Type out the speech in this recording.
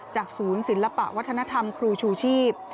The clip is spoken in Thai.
ศูนย์ศิลปะวัฒนธรรมครูชูชีพ